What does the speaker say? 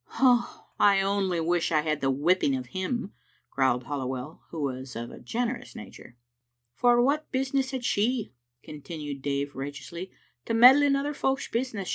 "I only wish I had the whipping of him," growled Halliwell, who was of a generous nature. "For what business had she," continued Dave right eously, " to meddle in other folks' business?